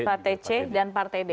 partai c dan partai b